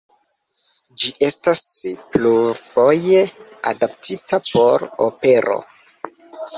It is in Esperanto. Ĝi estas plurfoje adaptita por opero.